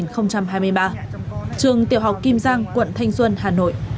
ngày hai mươi tám tháng ba năm hai nghìn hai mươi ba trường tiểu học kim giang quận thanh xuân hà nội